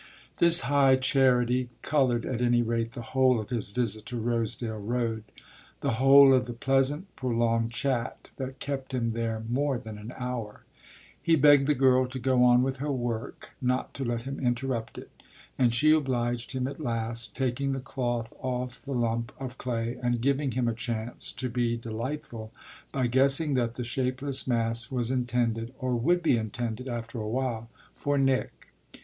This high charity coloured at any rate the whole of his visit to Rosedale Road, the whole of the pleasant, prolonged chat that kept him there more than an hour. He begged the girl to go on with her work, not to let him interrupt it; and she obliged him at last, taking the cloth off the lump of clay and giving him a chance to be delightful by guessing that the shapeless mass was intended, or would be intended after a while, for Nick.